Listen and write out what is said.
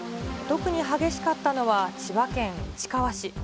特に激しかったのは千葉県市川市。